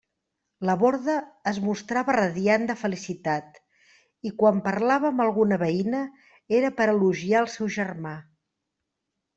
La Borda es mostrava radiant de felicitat, i quan parlava amb alguna veïna, era per a elogiar el seu germà.